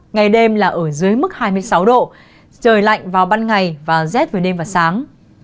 ngày đêm là ở dưới mức hai mươi sáu độ trời lạnh vào ban ngày và rét về đêm và sáng